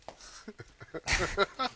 ハハハハ！